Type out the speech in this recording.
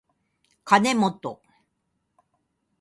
かねもと